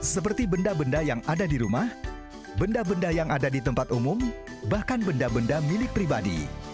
seperti benda benda yang ada di rumah benda benda yang ada di tempat umum bahkan benda benda milik pribadi